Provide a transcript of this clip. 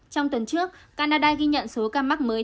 trong tuần trước canada ghi nhận số ca mắc mới